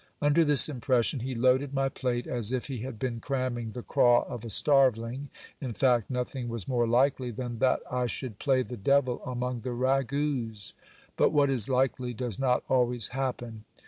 Under this impression he loaded my plate as if he had been cramming the craw of a starveling. In fact, nothing was more likely than that I should play the devil among the ragouts ; but what is likely does not always happen.